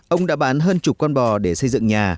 ông đã bán hơn chục con bò để xây dựng nhà